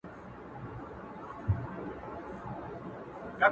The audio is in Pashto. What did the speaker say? ډول ئې د ډولزن په لاس ورکړى.